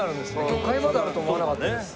魚介まであると思わなかったです。